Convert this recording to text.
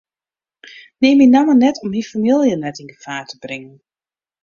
Neam myn namme net om myn famylje net yn gefaar te bringen.